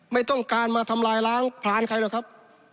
ไม่ต้องการมาทำลายล้างพลานใครหรอกครับ